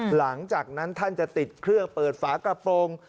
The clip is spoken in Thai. หลังจากนั้นท่านจะติดเครื่องเปิดฝากระโปรง